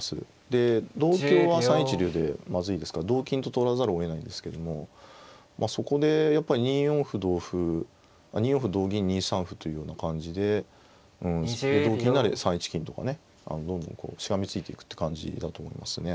で同香は３一竜でまずいですから同金と取らざるをえないんですけどもまあそこでやっぱり２四歩同歩あっ２四歩同銀２三歩というような感じでで同銀なら３一金とかねどんどんこうしがみついていくって感じだと思いますね。